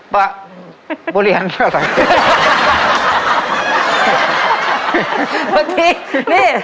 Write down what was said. ป๊าบัวเรียนทำอะไร